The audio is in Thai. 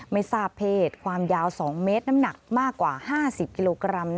ไม่ทราบเพศความยาว๒เมตรน้ำหนักมากกว่า๕๐กิโลกรัม